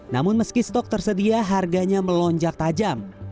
namun meski stok tersedia harganya melonjak tajam